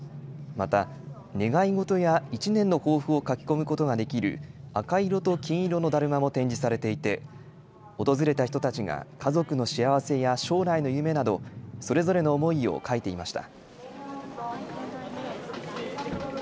また願い事や１年の抱負を書き込むことができる赤色と金色のだるまも展示されていて訪れた人たちが家族の幸せや将来の夢などそれぞれの思いを書いていました。